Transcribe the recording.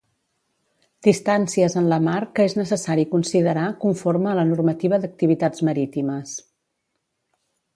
Distàncies en la mar que és necessari considerar conforme a la Normativa d'Activitats Marítimes.